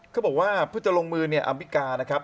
เขาบอกว่าเพื่อจะลงมือเนี่ยอัมพิกานะครับ